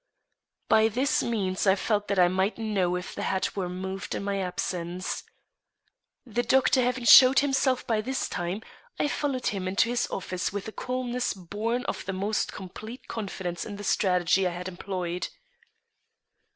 By this means I felt that I might know if the hat were moved in my absence. The doctor having showed himself by this time, I followed him into his office with a calmness born of the most complete confidence in the strategy I had employed.